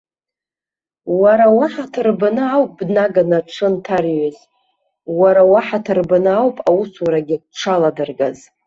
Уара уаҳаҭыр баны ауп днаганы дшынҭарҩыз, уара уаҳаҭыр баны ауп аусурагьы дшаладыргаз.